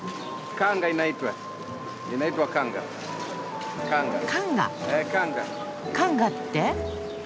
カンガって？